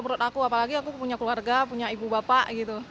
menurut aku apalagi aku punya keluarga punya ibu bapak gitu